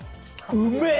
うめえ！